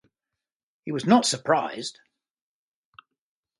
He was not surprised.